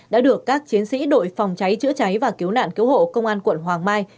đã được các chiến sĩ đội phòng cháy chữa cháy và cứu nạn cứu hộ công an quận hoàng mai